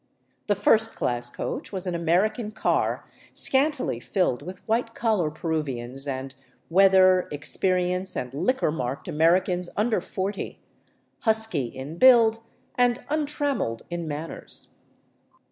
The first class coach was an American car scantily filled with ^hite collar Peruvians and weather , experience , and liquor marked imericans under forty, " husky " in build and untrammelled in man ^ners.